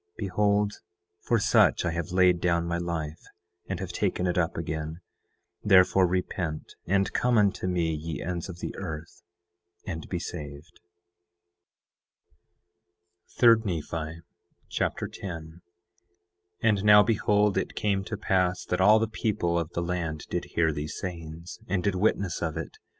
Behold, for such I have laid down my life, and have taken it up again; therefore repent, and come unto me ye ends of the earth, and be saved. 3 Nephi Chapter 10 10:1 And now behold, it came to pass that all the people of the land did hear these sayings, and did witness of it.